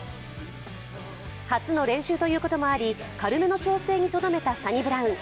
初の練習ということもあり、軽めの調整にとどめたサニブラウン。